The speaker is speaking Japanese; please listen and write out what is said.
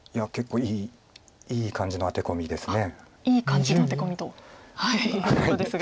いい感じのアテコミということですが。